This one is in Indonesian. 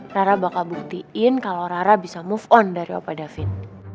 rara bakal buktiin kalo rara bisa move on dari opa davin